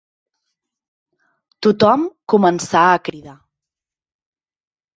Tothom començà a cridar